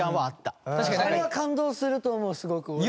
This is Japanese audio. あれは感動すると思うすごく。